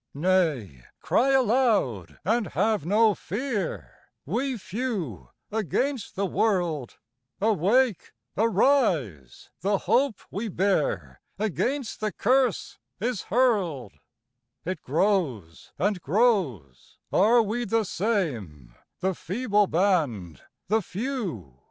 Nay, cry aloud, and have no fear, We few against the world; Awake, arise! the hope we bear Against the curse is hurled. It grows and grows are we the same, The feeble band, the few?